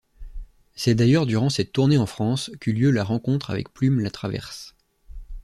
C'est d'ailleurs durant cette tournée en France qu'eut lieu la rencontre avec Plume Latraverse.